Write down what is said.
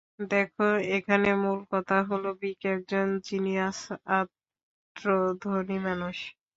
দেখো, এখানে মূল কথা হলো ভিক একজন জিনিয়াস আএ ধনী মানুষ।